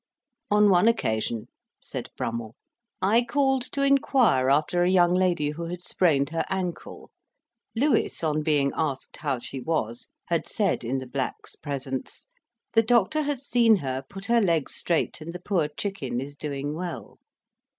"On one occasion," said Brummell, "I called to inquire after a young lady who had sprained her ancle; Lewis, on being asked how she was, had said in the black's presence, 'The doctor has seen her, put her legs straight, and the poor chicken is doing well.'